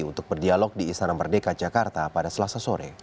untuk berdialog di istana merdeka jakarta pada selasa sore